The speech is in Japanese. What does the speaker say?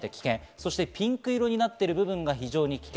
そしてピンク色になっている部分が非常に危険。